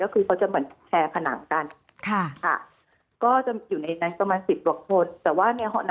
เค้าจะแบ่งแชร์ภาพธนาคตล้าน